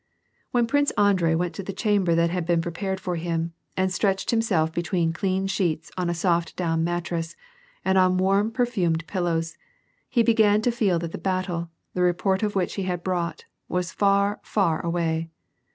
When Prince Andrei went to the chamber that had been prepared for him, and stretched himself between clean sheets on a soft down mattress, and on warm perfumed pillows, he began to feel that the battle, the report of which he had brought, was far, far away.